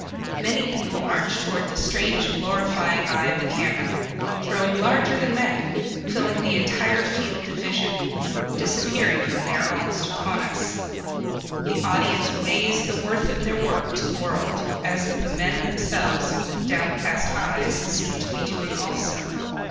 Many people march toward the strange glorifying eye of the camera, growing larger than men, filling the entire field of vision, disappearing when they are almost upon us. The audience weighs the worth of their work to the world as the men themselves with downcast eyes seem to be doing also.